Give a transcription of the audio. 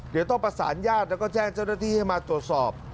เดี๋ยวต้องประสานญาติแล้วก็แจ้งเจ้าหน้าที่ให้มาตรวจสอบ